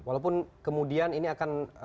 walaupun kemudian ini akan